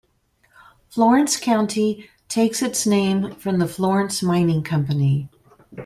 Florence County takes its name from the Florence Mining Company.